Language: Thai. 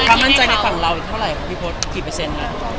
คำมั่นใจในฝั่งเราอีกเท่าไรพี่โพสต์กี่เปอร์เซ็นต์ค่ะ